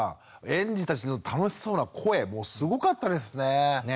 園児たちの楽しそうな声もうすごかったですね。ね！